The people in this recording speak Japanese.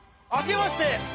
あけまして。